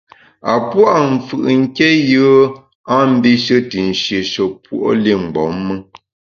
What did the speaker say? A pua’ mfù’ nké yùe a mbishe te nshieshe puo’ li mgbom me.